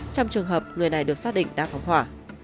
trong trường hợp người này được xác định đã phóng hỏa